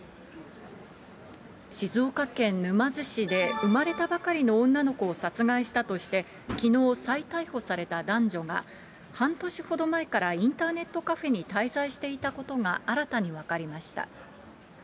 静岡県沼津市で、生まれたばかりの女の子を殺害したとして、きのう再逮捕された男女が、半年ほど前からインターネットカフェに滞在していたことが新たに分かりました。